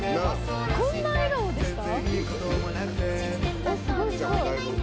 こんな笑顔でした？